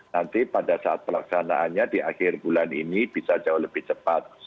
nanti pada saat pelaksanaannya di akhir bulan ini bisa jauh lebih cepat